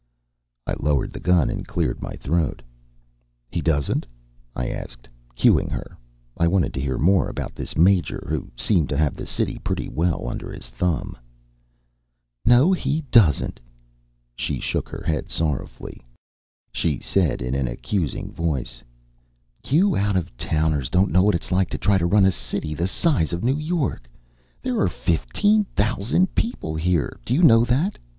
I lowered the gun and cleared my throat. "He doesn't?" I asked, cuing her. I wanted to hear more about this Major, who seemed to have the city pretty well under his thumb. "No, he doesn't." She shook her head sorrowfully. She said in an accusing voice: "You out of towners don't know what it's like to try to run a city the size of New York. There are fifteen thousand people here, do you know that?